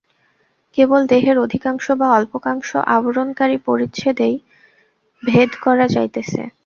কেবল দেহের অধিকাংশ বা অল্পাংশ আবরণকারী পরিচ্ছদেই ভেদ দেখা যাইতেছে।